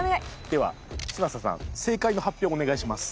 では嶋佐さん正解の発表をお願いします。